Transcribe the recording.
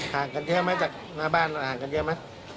กันเยอะไหมจากหน้าบ้านเราห่างกันเยอะไหม